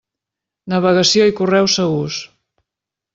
Navegació i correu segurs.